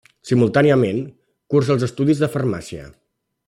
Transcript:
Simultàniament, cursa els estudis de Farmàcia.